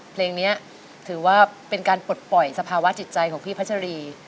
เพลงนี้ถือว่าเป็นการปลดปล่อยสภาวะจิตใจของพี่พัชรี